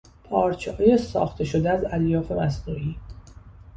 پارچههای ساخته شده از الیاف مصنوعی